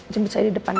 jemput saya di depan ya